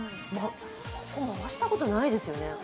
ここ伸ばしたことないですよね。